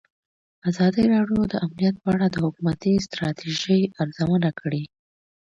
ازادي راډیو د امنیت په اړه د حکومتي ستراتیژۍ ارزونه کړې.